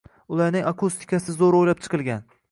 Ularning akustikasi zo‘r o‘ylab chiqilgan.